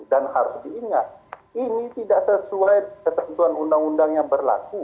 dan harus diingat ini tidak sesuai ketentuan undang undang yang berlaku